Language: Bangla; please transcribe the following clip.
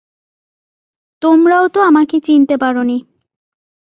তোমারও তো আমাকে চিনতে পার নি।